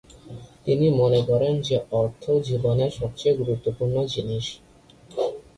তিনি মনে করেন যে অর্থ জীবনের সবচেয়ে গুরুত্বপূর্ণ জিনিস।